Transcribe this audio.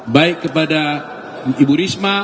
baik kepada ibu risma